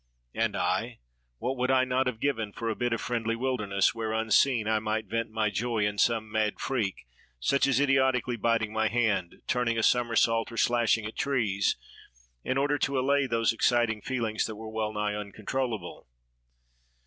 And I — what would I not have given for a bit of friendly wilderness, where, unseen, I might vent my joy in some mad freak, such as idiotically biting my hand, turning a somersault, or slashing at trees, in order to allay those exciting feelings that were well nigh uncontrollable.